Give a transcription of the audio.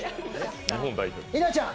稲ちゃん。